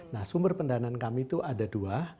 nah sumber pendanaan kami itu ada dua